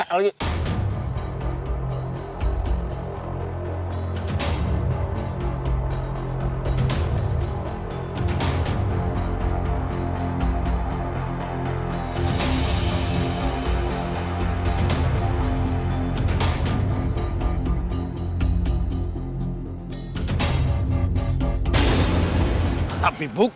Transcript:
lo gak teringat facebook